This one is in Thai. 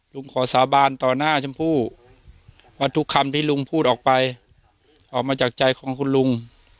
ลุงขอสาบานต่อหน้าชมพู่ว่าทุกคำที่ลุงพูดออกไปออกมาจากใจของคุณลุง